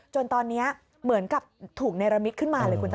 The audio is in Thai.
จนตอนนี้เหมือนกับถูกเนรมิตขึ้นมาเลยคุณชนะ